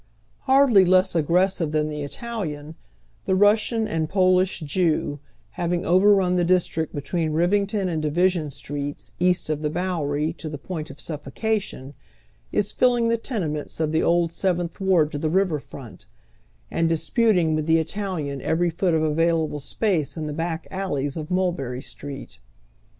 Hardly less aggressive than the Italian, the Russian and Polish Jew, having overrun the district between Rivington and Division Streets, east of the Rowery, to the pohit of suffocation, is filling the tenements of tlie old Seventh Ward to the river front, and disputing with the Italian every foot of available space in tlie back alleys of Mul berry Street.